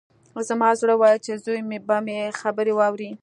زما زړه ویل چې زوی به مې خبرې واوري